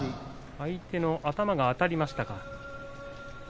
相手の頭が当たりましたか。